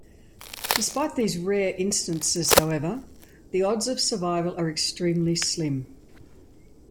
Despite these rare instances, however, the odds of survival are extremely slim.